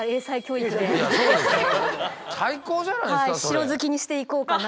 城好きにしていこうかなと。